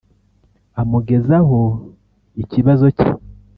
Amugezaho ikibazo cye